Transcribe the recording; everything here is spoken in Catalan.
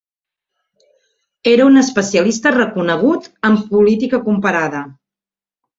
Era un especialista reconegut en política comparada.